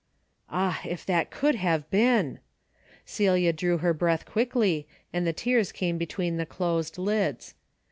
Ah ! if that could have been! Celia drew her breath quickly, and the tears came between the closed lids.